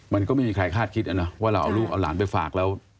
มันก็ไม่มีใครคาดคิดนะว่าเราเอาลูกเอาหลานไปฝากแล้ว